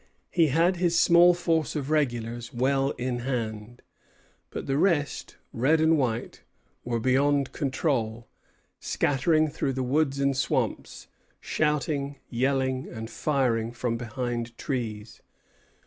He had his small force of regulars well in hand; but the rest, red and white, were beyond control, scattering through the woods and swamps, shouting, yelling, and firing from behind trees.